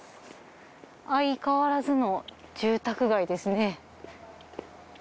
相変わらずの住宅街ですね。